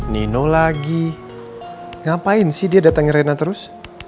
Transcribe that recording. nino lagi ngapain sih dia datang ke rena terus